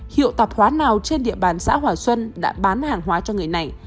hiệu tạp hóa nào trên địa bàn xã hòa xuân đã bán hàng hóa cho người này